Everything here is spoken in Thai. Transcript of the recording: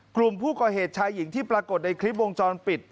กลุ่มผู้ก่อเหตุชายหญิงที่ปรากฏในคลิปวงจรปิด